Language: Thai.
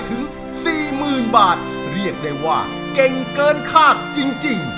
ถึงสี่หมื่นบาทเรียกได้ว่าเก่งเกินคาดจริง